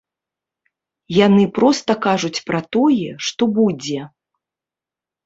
Яны проста кажуць пра тое, што будзе.